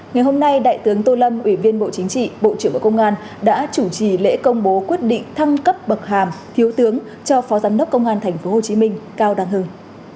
ngày hôm nay đại tướng tô lâm ủy viên bộ chính trị bộ trưởng bộ công an đã chủ trì lễ công bố quyết định thăng cấp bậc hàm thiếu tướng cho phó giám đốc công an tp hcm cao đăng hưng